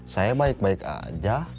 saya baik baik aja